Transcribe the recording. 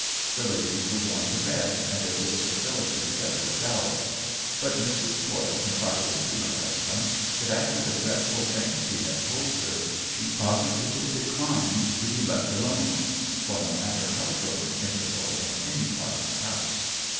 The ladies were go • ing to bed, and it was Sir Philip's inveterate hour; but Mrs. Coyle confided to her hus band that after the dreadful things he had told her she positively declined to be left alone, for no matter how short an interval, in any part of the house.